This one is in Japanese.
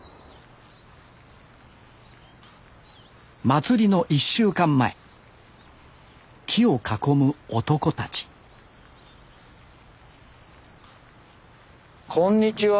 祭りの１週間前木を囲む男たちこんにちは。